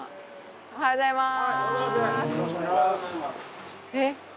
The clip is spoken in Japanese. おはようございます！